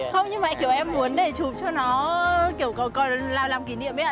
không nhưng mà kiểu em muốn để chụp cho nó kiểu còn làm kỷ niệm ấy ạ